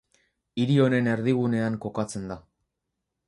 Hiri honen erdigunean kokatzen da.